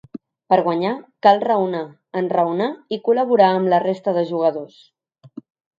Per guanyar, cal raonar, enraonar i col·laborar amb la resta de jugadors.